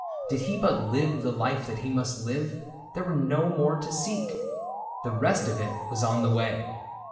Did he but live The life that he must live, there were no more To seek. — The rest of it was on the way.